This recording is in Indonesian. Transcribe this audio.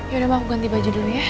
ya udah mau aku ganti baju dulu ya